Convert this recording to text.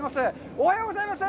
おはようございます。